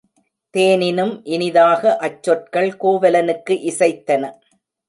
தேனினும் இனிதாக அச்சொற்கள் கோவலனுக்கு இசைத்தன.